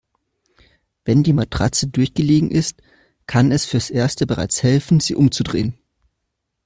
Wenn die Matratze durchgelegen ist, kann es fürs Erste bereits helfen, sie umzudrehen.